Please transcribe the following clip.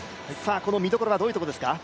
この見どころはどういうところですか？